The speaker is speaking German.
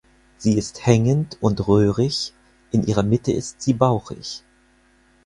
Sie ist hängend und röhrig, in ihrer Mitte ist sie bauchig.